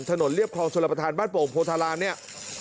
ถนนเรียบครองสนประทานบ้านโป่โฮมโภธาราเนี่ย